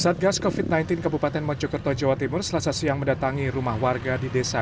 satgas kofit sembilan belas kabupaten mojokerto jawa timur selasa siang mendatangi rumah warga di desa